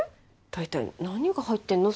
大体何が入ってるの？